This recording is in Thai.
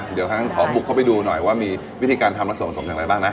เดี๋ยวทางนั้นขอบุกเข้าไปดูหน่อยว่ามีวิธีการทำและส่วนผสมอย่างไรบ้างนะ